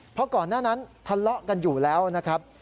เพราะก่อนหน้านั้นทะเลาะกันอยู่แล้วนะครับ